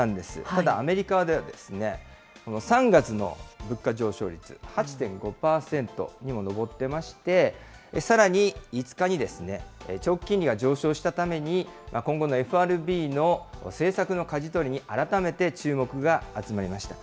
ただ、アメリカでは３月の物価上昇率８．５％にも上ってまして、さらに５日に長期金利が上昇したために、今後のＦＲＢの政策のかじ取りに改めて注目が集まりました。